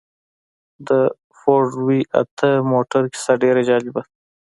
د فورډ وي اته موټر کيسه ډېره جالبه ده.